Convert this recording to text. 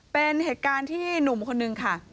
เป็นเหตุการณ์ที่หนุ่มคนนึงค่ะ